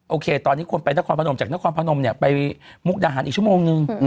โอเคตอนนี้คนไปนครพนมจากนครพนมเนี่ยไปมุกดาหารอีกชั่วโมงนึง